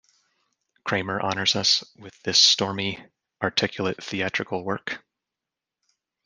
Kramer honors us with this stormy, articulate theatrical work.